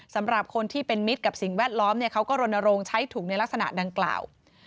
สำหรับคนที่เป็นมิตรกับสิ่งแวดล้อมเขาก็รณรงค์ใช้ถุงในลักษณะดังกล่าว